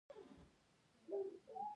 هیلې مې د فراق په خاوره کې ښخې شوې.